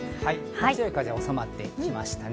強い風がおさまってきましたね。